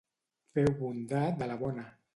Feu bondat de la bona!